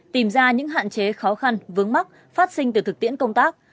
tìm ra những hạn chế khó khăn vướng mắc phát sinh từ thực tiễn công tác